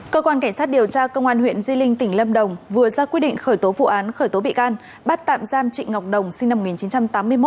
cơ quan cảnh sát điều tra công an huyện di linh tỉnh lâm đồng vừa ra quyết định khởi tố vụ án khởi tố bị can bắt tạm giam trịnh ngọc đồng sinh năm một nghìn chín trăm tám mươi một